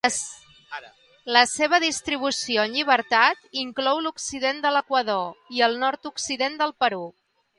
La seva distribució en llibertat inclou l'occident de l'Equador i el nord-occident del Perú.